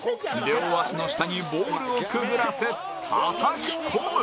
両足の下にボールをくぐらせたたき込む！